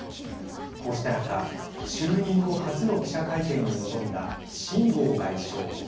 こうした中、就任後初の記者会見に臨んだ秦剛外相。